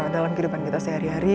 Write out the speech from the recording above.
dalam kehidupan kita sehari hari